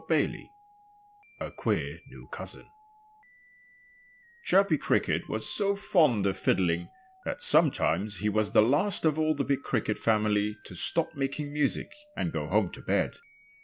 XI A QUEER, NEW COUSIN Chirpy Cricket was so fond of fiddling that sometimes he was the last of all the big Cricket family to stop making music and go home to bed.